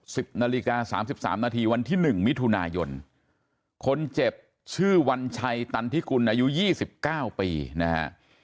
สิบนาฬิกาสามสิบสามนาทีวันที่หนึ่งมิถุนายนคนเจ็บชื่อวัญชัยตันทิกุลอายุยี่สิบเก้าปีนะฮะ